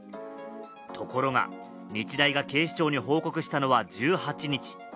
ところが、日大が警視庁に報告したのは１８日。